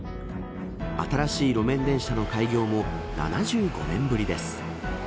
新しい路面電車の開業も７５年ぶりです。